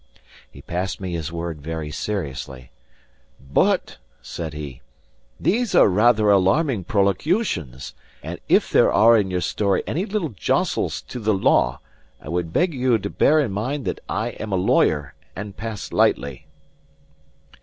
He passed me his word very seriously. "But," said he, "these are rather alarming prolocutions; and if there are in your story any little jostles to the law, I would beg you to bear in mind that I am a lawyer, and pass lightly."